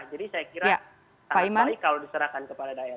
jadi saya kira sangat baik kalau diserahkan kepada daerah